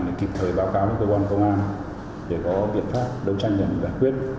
thì kịp thời báo cáo với cơ quan công an để có biện pháp đấu tranh và giải quyết